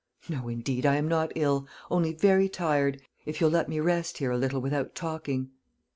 "No, indeed, I am not ill only very tired. If you'll let me rest here a little without talking."